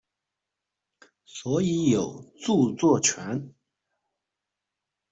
所以有著作權